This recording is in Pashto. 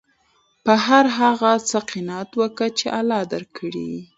په هر هغه څه قناعت وکه، چي الله درکړي يي.